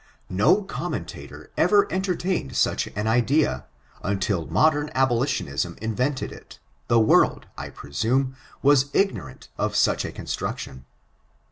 No commentator ever entertained such an idea : until modem abolitionism invented it, the world, I presume, was ignorant of such a construction.